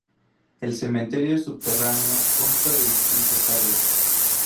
El cementerio subterráneo consta de distintas áreas.